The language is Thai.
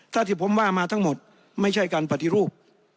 ถ้าที่ผมว่ามาทั้งหมดไม่ใช่การปฏิรูป